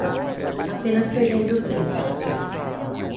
Apenas perdendo tempo aqui